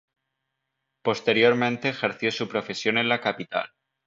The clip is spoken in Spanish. Posteriormente ejerció su profesión en la capital.